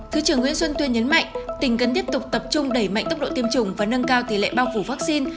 thứ trưởng nguyễn xuân tuyên nhấn mạnh tỉnh cần tiếp tục tập trung đẩy mạnh tốc độ tiêm chủng và nâng cao tỷ lệ bao phủ vaccine